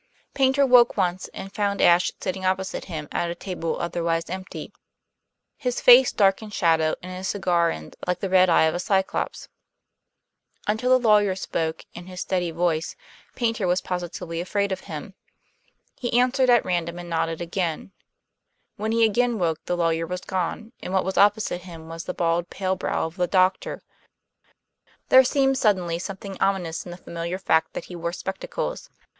Paynter woke once, and found Ashe sitting opposite him at a table otherwise empty; his face dark in shadow and his cigar end like the red eye of a Cyclops. Until the lawyer spoke, in his steady voice, Paynter was positively afraid of him. He answered at random and nodded again; when he again woke the lawyer was gone, and what was opposite him was the bald, pale brow of the doctor; there seemed suddenly something ominous in the familiar fact that he wore spectacles.